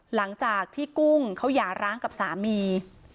หลังจากที่กุ้งเขาหย่าร้างกับสามี